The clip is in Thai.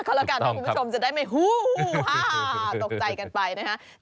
ถูกต้องครับถูกต้องครับคุณผู้ชมจะได้ไม่ฮู้วฮ่าตกใจกันไปนะฮะ